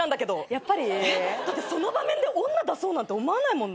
やっぱり？だってその場面で女出そうなんて思わないもんね。